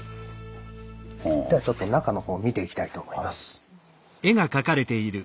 ではちょっと中のほう見ていきたいと思います。